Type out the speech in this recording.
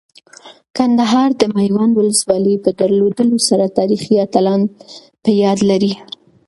کندهار د میوند ولسوالۍ په درلودلو سره تاریخي اتلان په یاد لري.